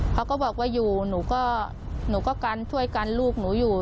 เขาก็บอกว่าอยู่หนูก็ช่วยกันลูกหนูอยู่